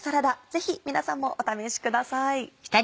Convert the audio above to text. ぜひ皆さんもお試しください。